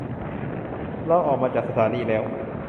เราออกมาจากสถานีแล้ว